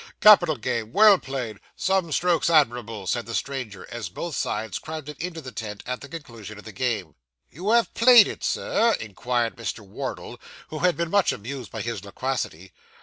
'Capital game well played some strokes admirable,' said the stranger, as both sides crowded into the tent, at the conclusion of the game. 'You have played it, sir?' inquired Mr. Wardle, who had been much amused by his loquacity.